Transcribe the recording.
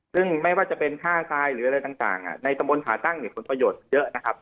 ซึ่งไม่ว่าจะเป็นฆ่าทายหรืออะไรต่างต่างอ่ะในกระบวนขาตั้งเนี่ยคุณประโยชน์เยอะนะครับ